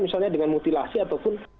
misalnya dengan mutilasi ataupun